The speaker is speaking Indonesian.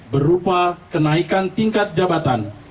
berupa kenaikan tingkat jabatan